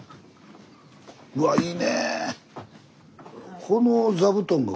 うわいいねえ！